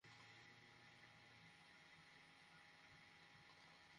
পুরাই মাথা নষ্ট, সোনা।